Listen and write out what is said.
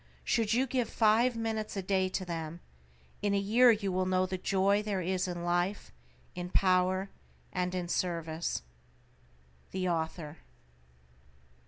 Should you give five minutes a day to them, in a year you will know the joy there is in Life, in Power, and in Service. THE AUTHOR.